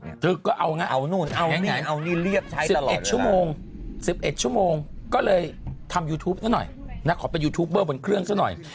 ตลอดเวลา๑๑ชั่วโมงก็เลยทำยูทูปหน่อยขอเป็นยูทูปเบอร์บนเครื่องซักหน่อย